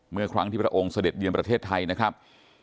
เมื่อครั้งที่พระองค์เสด็จเยือนประเทศไทยนะครับ